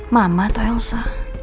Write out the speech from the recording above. mama atau elsa